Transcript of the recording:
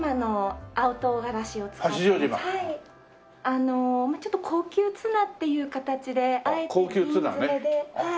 あのちょっと高級ツナっていう形であえて瓶詰ではい。